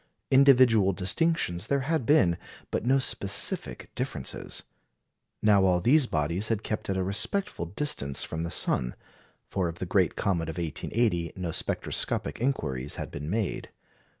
Individual distinctions there had been, but no specific differences. Now all these bodies had kept at a respectful distance from the sun; for of the great comet of 1880 no spectroscopic inquiries had been made.